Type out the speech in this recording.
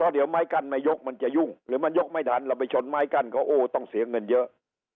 เดี๋ยวไม้กั้นไม่ยกมันจะยุ่งหรือมันยกไม่ทันเราไปชนไม้กั้นเขาโอ้ต้องเสียเงินเยอะ